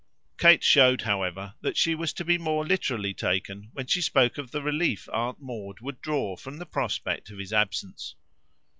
Kate showed, however, that she was to be more literally taken when she spoke of the relief Aunt Maud would draw from the prospect of his absence.